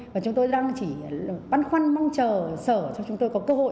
và chúng tôi đang chỉ băn khoăn mong chờ sở cho chúng tôi có cơ hội